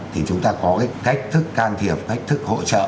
thì chúng ta có cái cách thức can thiệp cách thức hỗ trợ